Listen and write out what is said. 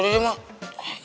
ya udah mak